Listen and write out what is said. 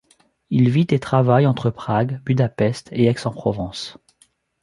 Il vit et travaille entre Prague, Budapest et Aix-en-Provence.